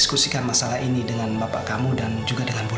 berapa banyak perasaan kamu semasa kejuruteraan temanmu berburu